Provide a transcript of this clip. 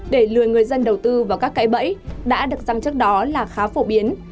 để lừa người dân đầu tư vào các cãi bẫy đã được dăng chất đó là khá phổ biến